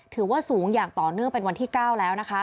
ถือว่าสูงอย่างต่อเนื่องเป็นวันที่๙แล้วนะคะ